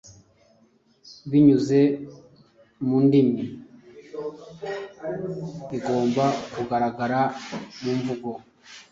binyuze mu ndimi igomba kugaragara mumvugo